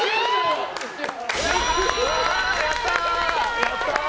やったー！